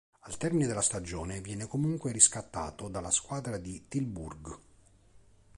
Al termine della stagione viene comunque riscattato dalla squadra di Tilburg.